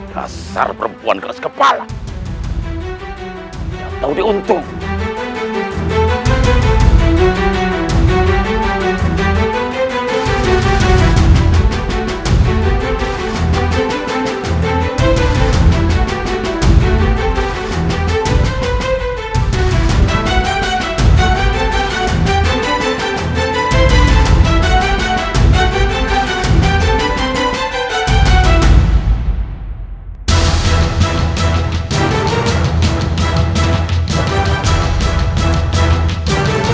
kau akan menerima semua akibat dari perbuatanmu